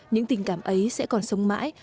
những tình cảm ấy sẽ còn sống mãi